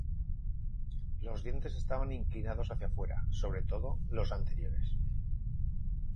Los dientes estaban inclinados hacia fuera; sobre todo, los anteriores.